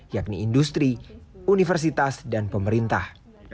yakni industri universitas dan pemerintah